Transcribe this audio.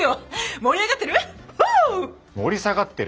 盛り上がってる？